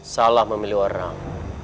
salah memilih orang